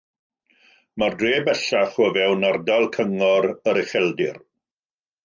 Mae'r dref bellach o fewn ardal cyngor yr Ucheldir.